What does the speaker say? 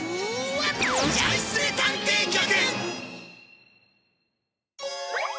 ジャイスネ探偵局！